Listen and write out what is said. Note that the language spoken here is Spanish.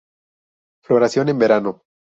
Floración en verano.